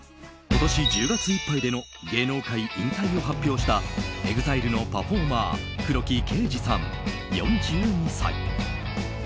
今年１０月いっぱいでの芸能界引退を発表したＥＸＩＬＥのパフォーマー黒木啓司さん、４２歳。